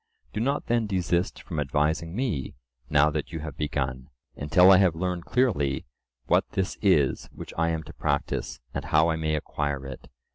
Do not then desist from advising me, now that you have begun, until I have learned clearly what this is which I am to practise, and how I may acquire it.